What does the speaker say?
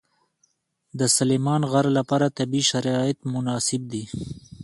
د سلیمان غر لپاره طبیعي شرایط مناسب دي.